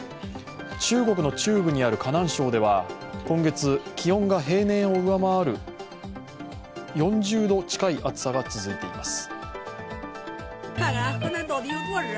中国の中部にある河南省では今月、気温が平年を上回る４０度近い暑さが続いています。